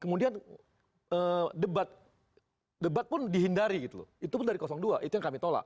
kemudian debat pun dihindari gitu loh itu pun dari dua itu yang kami tolak